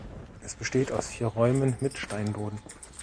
Es besteht aus vier Räumen mit Steinboden.